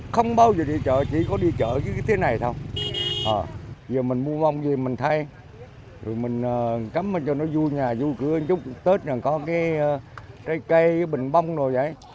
không bao giờ đi chợ chỉ có đi chợ cái tiết này thôi giờ mình mua mông gì mình thay rồi mình cắm cho nó vui nhà vui cười chúc tết có cái cây cái bình bông rồi vậy